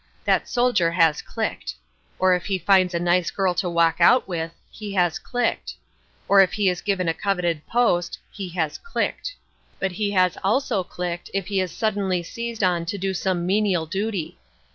That soldier has clicked. Or if he finds a nice girl to walk out with, he has clicked. Or if he is given a coveted post, he has clicked. But he has also clicked if he is suddenly seized on to do some menial duty.